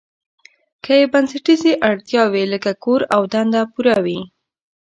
که یې بنسټیزې اړتیاوې لکه کور او دنده پوره وي.